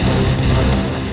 lo sudah bisa berhenti